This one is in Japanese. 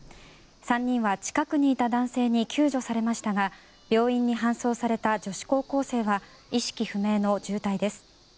３人は近くにいた男性に救助されましたが病院に搬送された女子高校生は意識不明の重体です。